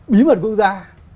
bí mật quốc gia